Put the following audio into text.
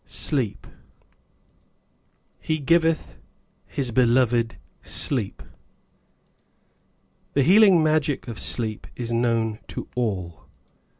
Sleep He giveth His Beloved Sleep. THE healing magic of sleep is known to all.